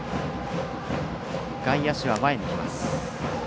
外野手は前にきます。